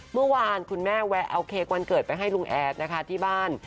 เมื่อวานคุณแม่แวะเอาเค้กวันเกิดไปให้ลุงแอดนะคะที่บ้าน